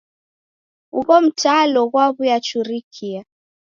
Ugho mtalo ghwaw'uyachurikia.